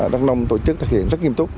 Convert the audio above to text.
đắk nông tổ chức thực hiện rất nghiêm túc